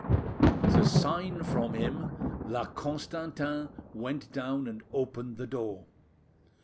At a sign from him, La Constantin went down and opened the door.